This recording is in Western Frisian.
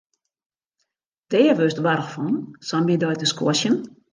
Dêr wurdst warch fan, sa'n middei te squashen.